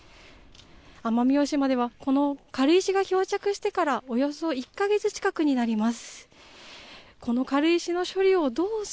奄美大島では、この軽石が漂着してからおよそ１か月近くになります。